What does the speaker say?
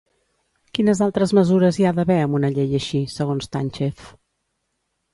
Quines altres mesures hi ha d'haver amb una llei així, segons Tanchev?